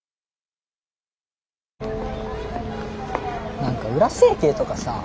何か裏整形とかさ